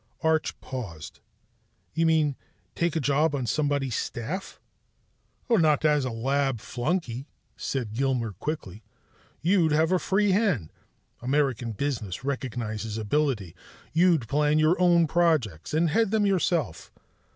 Arch paused. "You mean, take a job on somebody's staff?" "Not as a lab flunky," said Gilmer quickly. "You'd have a free hand. American business recognizes ability. You'd plan your own projects, and head them yourself.